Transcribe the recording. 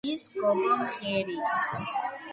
ის გოგო მღერის.